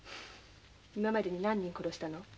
今までに何人殺したの？